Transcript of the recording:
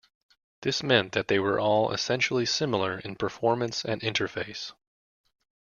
This meant that they were all essentially similar in performance and interface.